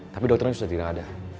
tapi dokternya sudah tidak ada